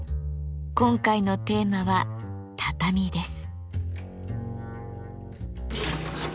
今回のテーマは「畳」です。